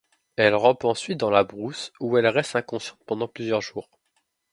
Elle rampe ensuite dans la brousse où elle reste inconsciente pendant plusieurs jours.